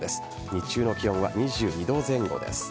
日中の気温は２２度前後です。